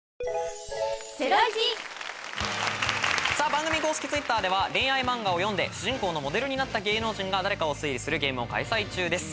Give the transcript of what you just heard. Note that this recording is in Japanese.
番組公式Ｔｗｉｔｔｅｒでは恋愛漫画を読んで主人公のモデルになった芸能人が誰かを推理するゲームを開催中です